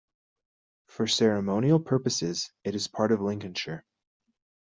For ceremonial purposes it is part of Lincolnshire.